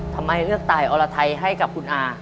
ทำไมเลือกตายอรไทยให้กับคุณอา